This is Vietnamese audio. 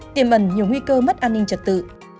tiềm ẩn nhiều nguy cơ mất an ninh trật tự